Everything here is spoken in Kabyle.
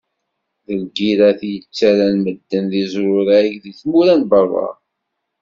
D lgirrat i yettarran medden d izruzaɣ deg tmura n berra.